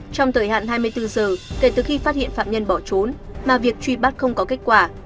trong thời hạn hai mươi bốn giờ kể từ khi phát hiện phạm nhân bỏ trốn mà việc truy bắt không có kết quả